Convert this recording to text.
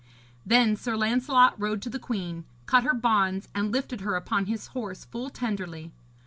Then Sir Lancelot rode to the queen, cut her bonds, and lifted her upon his horse full tenderly.